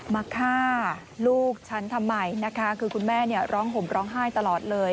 มาฆ่าลูกฉันทำไมนะคะคือคุณแม่เนี่ยร้องห่มร้องไห้ตลอดเลย